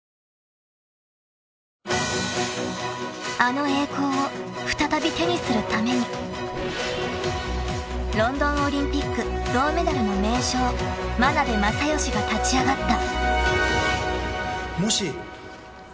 ［あの栄光を再び手にするためにロンドンオリンピック銅メダルの名将眞鍋政義が立ち上がった］